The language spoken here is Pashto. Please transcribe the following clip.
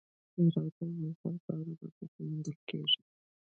هرات د افغانستان په هره برخه کې موندل کېږي.